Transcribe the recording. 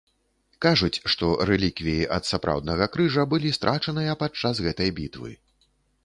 Кажуць, што рэліквіі ад сапраўднага крыжа былі страчаныя падчас гэтай бітвы.